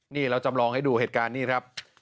นี่เราจำลองให้ดูเหตุการณ์นี้ครับ